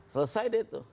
selesai deh itu